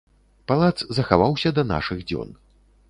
Палац захаваўся да нашых дзён.